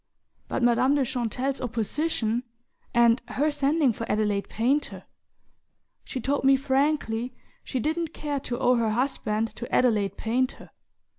But Madame de Chantelle's opposition and her sending for Adelaide Painter! She told me frankly she didn't care to owe her husband to Adelaide Painter...